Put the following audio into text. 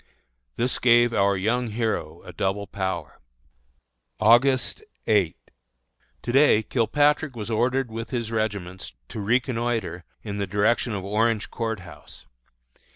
This gave our young hero a double power. August 8. To day Kilpatrick was ordered with his regiments to reconnoitre in the direction of Orange Court House.